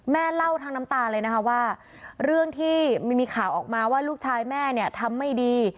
เล่าทั้งน้ำตาเลยนะคะว่าเรื่องที่มีข่าวออกมาว่าลูกชายแม่เนี่ยทำไม่ดี